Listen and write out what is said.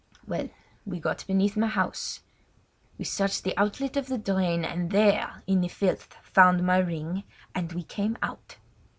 Well, we got beneath my house. We searched the outlet of the drain, and there in the filth found my ring, and we came out.